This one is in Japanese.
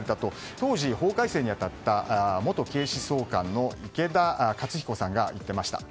当時、法改正に当たった元警視総監の池田克彦さんが言っていました。